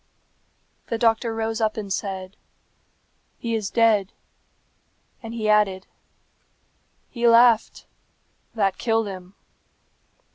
The doctor rose up and said, "He is dead." And he added, "He laughed; that killed him."